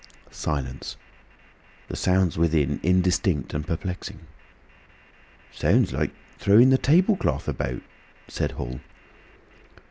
Silence. The sounds within indistinct and perplexing. "Sounds like throwing the table cloth about," said Hall.